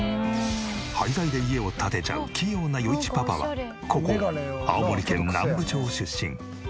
廃材で家を建てちゃう器用な余一パパはここ青森県南部町出身。